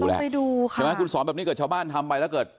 ใช่ไหมเราถึงสอนแบบนี้แบบนี้ก็จะเฉาะบ้านถัมไปแล้วเกิด